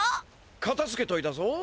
かたづけといたぞ。